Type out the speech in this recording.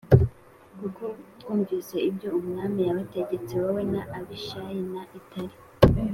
kuko twumvise ibyo umwami yabategetse wowe na Abishayi na Itayi